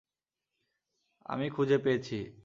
আমি খুজে পেয়েছি!